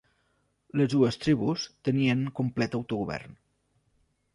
Les dues tribus tenien complet autogovern.